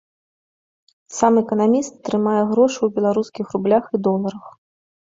Сам эканаміст трымае грошы ў беларускіх рублях і доларах.